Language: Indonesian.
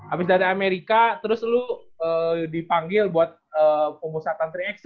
abis dari amerika terus lo dipanggil buat pengusaha tantri x tiga